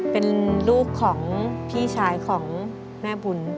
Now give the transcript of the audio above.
เป็นลูกของพี่ชายของแม่บุญ